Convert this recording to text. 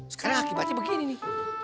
sekarang akibatnya begini nih